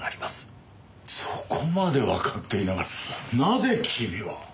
そこまでわかっていながらなぜ君は。